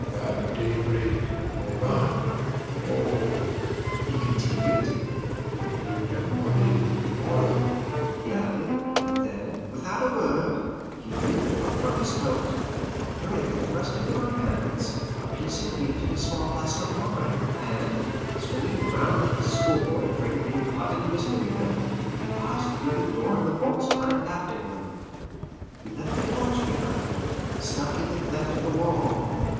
"At daybreak Voban aho!" he continued. "There's milk and honey to morrow," he added, and then, without a word, he drew forth from his coat, and hurriedly thrust into my hands, a piece of meat and a small flask of wine, and, swinging round like a schoolboy afraid of being caught in a misdemeanor, he passed through the door and the bolts clanged after him. He left the torch behind him, stuck in the cleft of the wall.